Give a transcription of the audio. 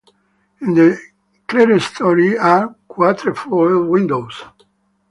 In the clerestory are quatrefoil windows.